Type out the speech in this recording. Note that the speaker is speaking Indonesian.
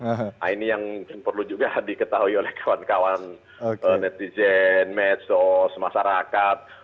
nah ini yang perlu juga diketahui oleh kawan kawan netizen medsos masyarakat